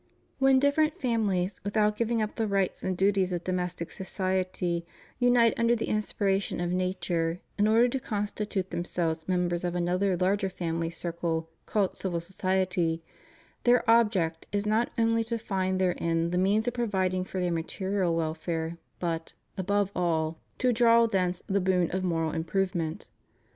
When different families, without giving up the rights and duties of domestic society, unite under the inspiration of natm e, in order to constitute themselves members of another larger family circle called civil so ciety, their object is not only to find therein the means of providing for their material welfare, but, above all, ALLEGIANCE TO THE REPUBLIC. 251 to draw thence the boon of moral improvement.